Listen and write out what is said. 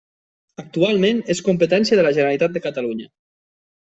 Actualment és competència de la Generalitat de Catalunya.